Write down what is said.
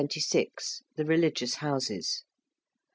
THE RELIGIOUS HOUSES.